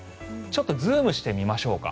ちょっとズームして見ましょうか。